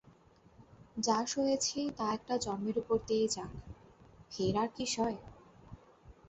যা সয়েছি তা একটা জন্মের উপর দিয়েই যাক, ফের আর কি সয়?